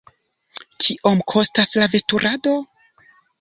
Kiom kostas la veturado?